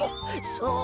そう？